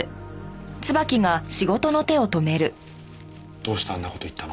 どうしてあんな事言ったの？